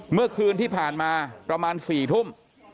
เมื่อคืนที่ผ่านมาประมาณ๔ทุ่ม